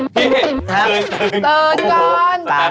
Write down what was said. พี่ตื่น